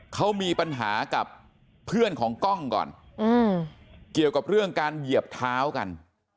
เขามีปัญหากับเพื่อนของกล้องก่อนเกี่ยวกับเรื่องการเหยียบเท้ากัน